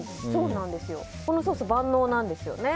このソース、万能なんですよね。